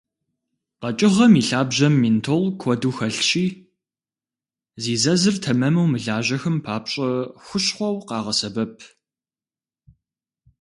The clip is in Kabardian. Къэкӏыгъэм и лъабжьэм ментол куэду хэлъщи, зи зэзыр тэмэму мылажьэхэм папщӏэ хущхъуэу къагъэсэбэп.